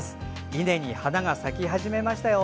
稲に花が咲き始めましたよ。